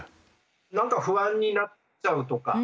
何か不安になっちゃうとか。